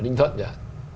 ở ninh thuận chẳng hạn